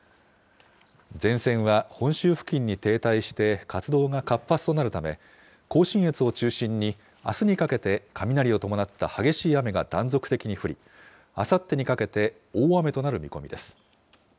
前線は本州付近に停滞して、活動が活発となるため、甲信越を中心に、あすにかけて雷を伴った激しい雨が断続的に降り、あさってにかけて大雨となる見込みです。